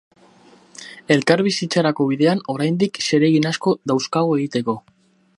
Elkarbizitzarako bidean, oraindik, zeregin asko dauzkagu egiteko.